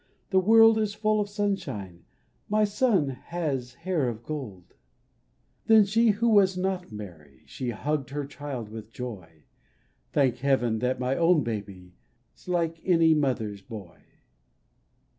The world is full of sunshine, My son has hair of gold !" 20 AT NAZARETH Then she who was not Mary, She hugged her child with joy :" Thank heaven that my own baby 'S like any mother's boy